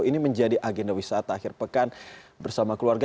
ini menjadi agenda wisata akhir pekan bersama keluarga